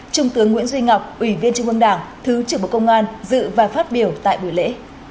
trung tướng nguyễn duy ngọc ủy viên trung ương đảng thứ trưởng bộ công an dự và phát biểu tại buổi lễ